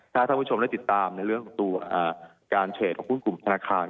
ถ้าท่านผู้ชมได้ติดตามในเรื่องของตัวการเทรดของหุ้นกลุ่มธนาคาร